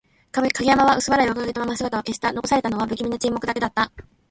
影山は薄笑いを浮かべたまま姿を消した。残されたのは、不気味な沈黙だけだった。